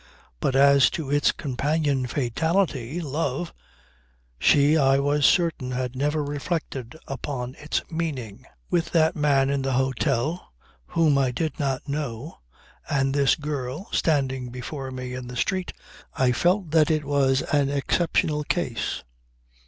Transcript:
But as to its companion fatality love, she, I was certain, had never reflected upon its meaning. With that man in the hotel, whom I did not know, and this girl standing before me in the street I felt that it was an exceptional case.